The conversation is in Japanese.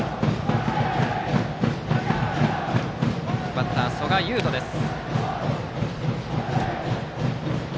バッターは曽我雄斗です。